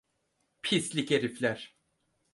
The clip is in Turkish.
Pislik herifler!